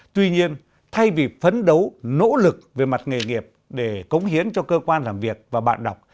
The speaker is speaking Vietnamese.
tuy nhiên thay vì phấn đấu nỗ lực về mặt nghề nghiệp để cống hiến cho cơ quan làm việc và bạn đọc